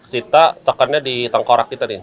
kita tokannya di tengkorak kita nih